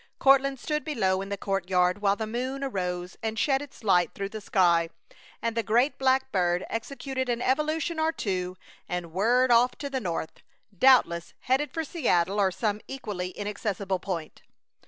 Courtland stood below in the courtyard, while the moon arose and shed its light through the sky, and the great black bird executed an evolution or two and whirred off to the north, doubtless headed for Seattle or some equally inaccessible point.